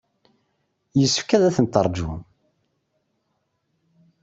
Yessefk ad tent-teṛjum.